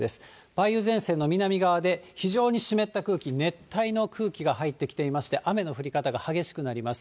梅雨前線の南側で非常に湿った空気、熱帯の空気が入ってきていまして、雨の降り方が激しくなります。